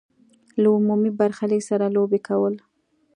له عمومي برخلیک سره لوبې کول.